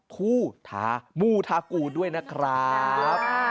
คู่ธามูทากูด้วยนะครับ